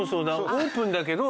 オープンだけど。